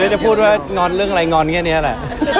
จะพูดว่าง้อนอะไรอย่างเงี้ยนี้แหละ